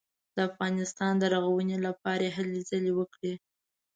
د افغانستان د رغونې لپاره یې هلې ځلې وکړې.